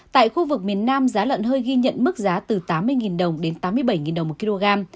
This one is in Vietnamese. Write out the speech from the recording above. tại khu vực miền nam giá lợn hơi ghi nhận mức giá từ tám mươi đồng đến tám mươi bảy đồng một kg